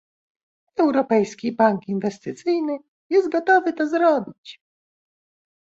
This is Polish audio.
Europejski Bank Inwestycyjny jest gotowy to zrobić